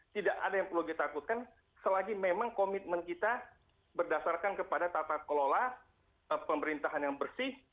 tidak ada yang perlu ditakutkan selagi memang komitmen kita berdasarkan kepada tata kelola pemerintahan yang bersih